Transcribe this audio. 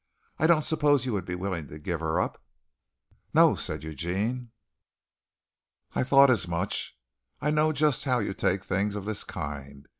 I don't suppose you would be willing to give her up?" "No," said Eugene. "I thought as much. I know just how you take a thing of this kind.